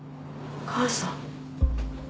お母さん？